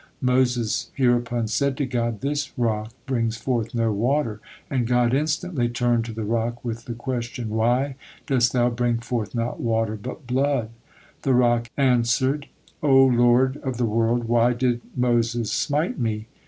Moses hereupon said to God: "This rock brings forth no water," and God instantly turned to the rock with the question: "Why dost thou bring forth not water, but blood?" The rock answered: "O Lord of the world! Why did Moses smite me?"